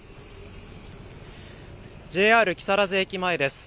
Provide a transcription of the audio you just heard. ＪＲ木更津駅前です。